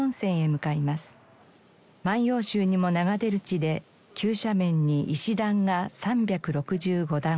『万葉集』にも名が出る地で急斜面に石段が３６５段。